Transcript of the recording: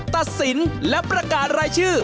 ตัดสินและประกาศรายชื่อ